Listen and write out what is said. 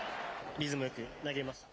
リズムよく投げれました。